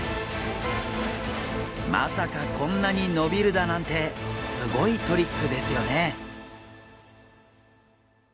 まさかこんなに伸びるだなんてすごいトリックですよね。